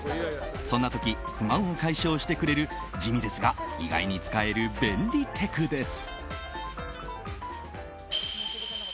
そんな時、不満を解消してくれる地味ですが意外に使える便利テクです。